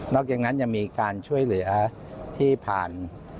อกจากนั้นยังมีการช่วยเหลือที่ผ่าน